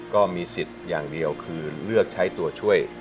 ก็มีสิทธิ์อย่างเดียวคือเลือกใช้ตัวช่วย